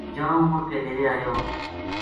جنو مڑ کے ڈیرے ایو